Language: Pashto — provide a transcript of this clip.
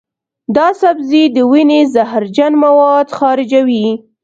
دا سبزی د وینې زهرجن مواد خارجوي.